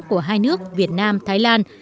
của hai nước việt nam thái lan